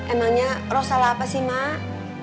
emangnya roh salah apa sih mak